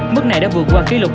mức này đã vượt qua kỷ lục